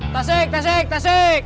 tasik tasik tasik